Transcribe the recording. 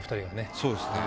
そうですね。